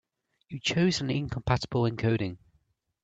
You chose an incompatible encoding.